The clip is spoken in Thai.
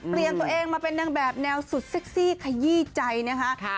ตัวเองมาเป็นนางแบบแนวสุดเซ็กซี่ขยี้ใจนะคะ